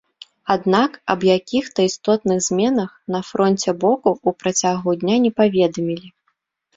Аднак, аб якіх-то істотных зменах на фронце боку ў працягу дня не паведамілі.